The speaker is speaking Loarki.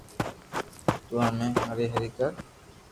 تو ھمي ھري ھري ڪر